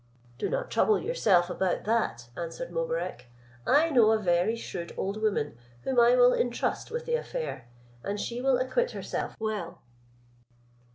"Do not trouble yourself about that," answered Mobarec; "I know a very shrewd old woman, whom I will entrust with the affair, and she will acquit herself well."